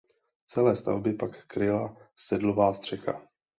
Celé stavby pak kryla sedlová střecha.